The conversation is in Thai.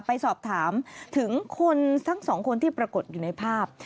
ไปสอบถามถึงคนทั้งสองคนที่ปรากฏอยู่ในภาพ